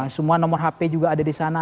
semua nomor hp juga ada di sana